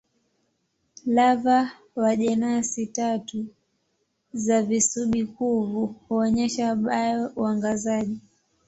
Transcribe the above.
Lava wa jenasi tatu za visubi-kuvu huonyesha bio-uangazaji.